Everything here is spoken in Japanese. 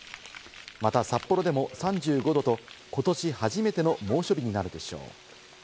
また札幌でも３５℃とことし初めての猛暑日になるでしょう。